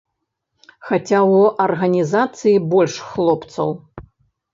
Хаця ў арганізацыі больш хлопцаў.